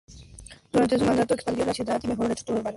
Durante su mandato, expandió la ciudad y mejoró la estructura urbana.